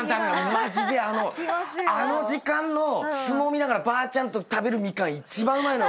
マジであの時間の相撲見ながらばあちゃんと食べるミカン一番うまいの。